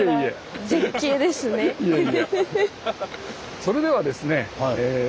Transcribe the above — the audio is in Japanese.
それではですね